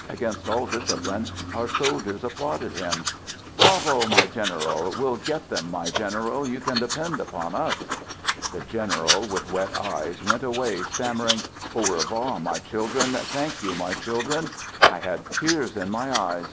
Against all discipline, our soldiers ap plauded him: "Bravo! my general! We'll get them, my general! You can depend upon us!" The general, with wet eyes, went away stammering: "Au revoir, my children! Thank you, my chil dren!" I had tears in my eyes.